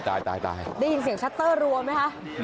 ได้ยินเสียงชัตเตอร์รวมไหมคะ